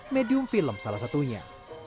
medium film salah satunya